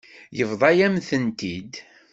Yebḍa-yam-tent-id.